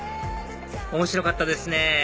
面白かったですね